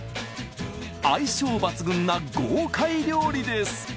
相性抜群な豪快料理です